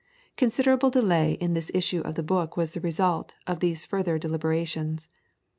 Considerable delay in the issue of the book was the result of these further deliberations.